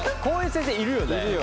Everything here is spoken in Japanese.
こういう先生いるよね。